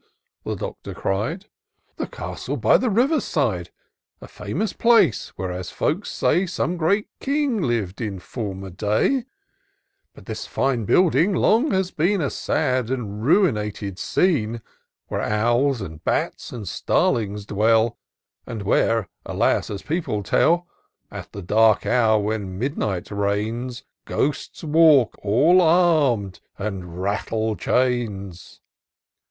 the Doctor cried. " The castle by the river side ; A famous place, where, as folk say, Some great king liv'd in former day : But this fine building long has been A sad and ruinated scene. Where owls, and bats, and starlings dwell,— And where, alas ! as people tell. At the dark hour, when midnight reigns, Ghosts walk, all arm'd, and rattle chains." IN SEARCH OF THE PICTURESQUE.